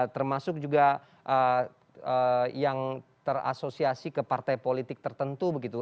termasuk juga yang terasosiasi ke partai politik tertentu begitu